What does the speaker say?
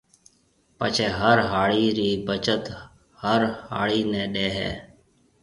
پڇيَ هر هاڙِي رِي بچت هر هاڙِي نَي ڏي هيَ۔